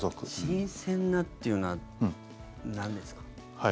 新鮮なというのはなんですか？